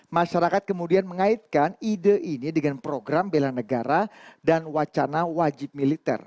masyarakat kemudian mengaitkan ide ini dengan program bela negara dan wacana wajib militer